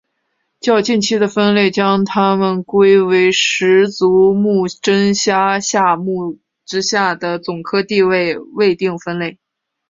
较近期的分类将它们归为十足目真虾下目之下的总科地位未定分类。